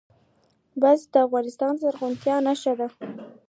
پسه د افغانستان د زرغونتیا نښه ده.